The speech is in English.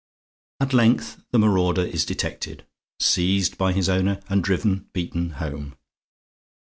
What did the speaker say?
At length the marauder is detected, seized by his owner, and driven, beaten home.